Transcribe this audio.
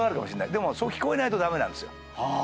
でもそう聞こえないと駄目なんです。